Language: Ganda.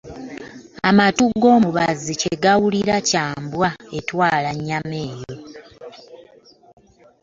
Amatu g'omubaazi kyegawulira kya, embwa etwala enyama yo ,